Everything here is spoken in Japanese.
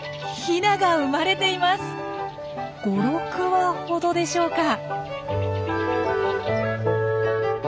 ５６羽ほどでしょうか。